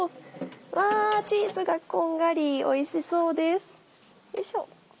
わチーズがこんがりおいしそうです。